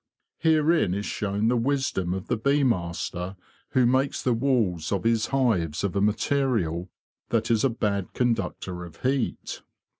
Herein is shown the wisdom of the bee master who makes the walls of his hives of a material that is a bad conductor of heat.